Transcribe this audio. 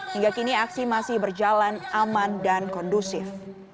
hingga kini aksi masih berjalan aman dan kondusif